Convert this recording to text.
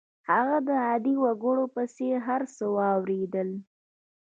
هغه د عادي وګړو په څېر هر څه واورېدل